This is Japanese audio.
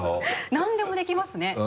なんでもできますね。